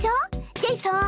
ジェイソン！